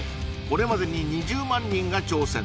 これまでに２０万人が挑戦